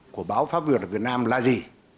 của báo pháp luật ở việt nam là gì